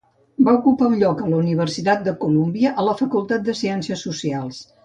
Va ocupar un lloc a la Universitat de Colúmbia, a la Facultat de Ciències Socials.